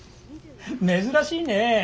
珍しいねえ。